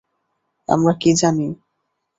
আমরা কি জানি?